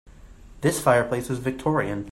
This fireplace is victorian.